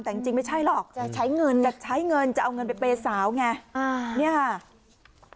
แต่จริงไม่ใช่หรอกแต่ใช้เงินจะเอาเงินไปเปสาวไงเนี่ยซมอเรียส